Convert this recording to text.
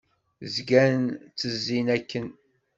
Zgan ttezzin akken.